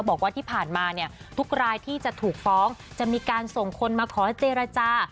บอกว่าที่ผ่านมาเนี่ยทุกรายที่จะถูกฟ้องจะมีการส่งคนมาขอเจรจา